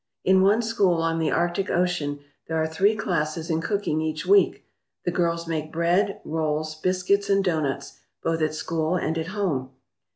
In one school on the Arctic Ocean there are three classes in cooking each week. The girls make bread, rolls, biscuits, and doughnuts, both at school and at home.